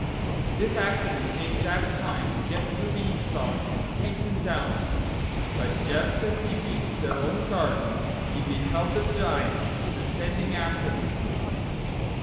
This accident gave Jack time to get on the Bean stalk and hasten down it; but just as he reached their own garden he beheld the Giant descending after him.